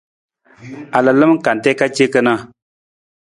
A lalam kante ka ce kana.